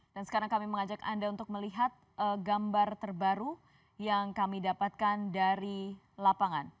dan sekarang kami mengajak anda untuk melihat gambar terbaru yang kami dapatkan dari lapangan